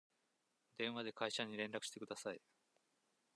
電話で会社に連絡してください。